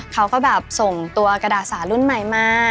เขาก็ส่งตัวกระดาษสารุ่นใหม่มา